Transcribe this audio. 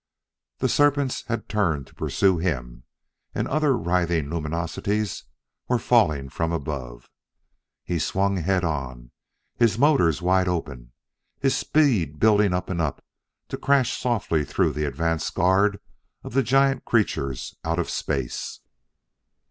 The serpents had turned to pursue him, and other writhing luminosities were falling from above. He swung head on, his motors wide open, his speed building up and up, to crash softly through the advance guard of the giant creatures out of space.